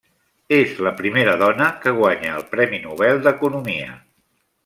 És la primera dona que guanya el premi Nobel d'Economia.